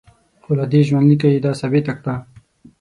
خو له دې ژوندلیکه یې دا ثابته کړه.